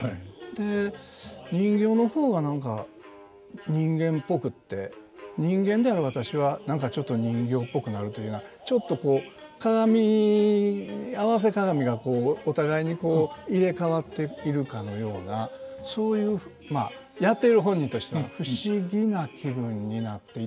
で人形の方が何か人間っぽくって人間である私は何かちょっと人形っぽくなるというようなちょっとこう鏡合わせ鏡がこうお互いにこう入れ代わってくるかのようなそういうやっている本人としては不思議な気分になっていたんですけど。